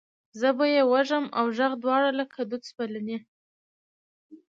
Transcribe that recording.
زه به یې وږم اوږغ دواړه لکه دوه سپیڅلي،